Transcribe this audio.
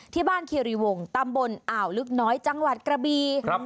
ที่บ้านคิริวงศ์ตำบลอ่าวลึกน้อยจังหวัดกระบี